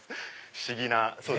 不思議な。